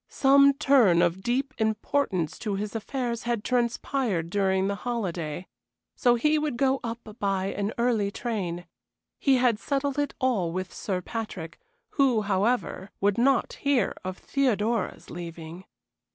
Some turn of deep importance to his affairs had transpired during the holiday. So he would go up by an early train. He had settled it all with Sir Patrick, who, however, would not hear of Theodora's leaving.